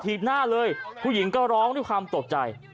หน้าเลยผู้หญิงก็ร้องด้วยความตกใจ